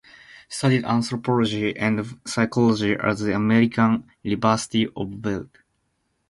Studied anthropology and psychology at the American University of Beirut.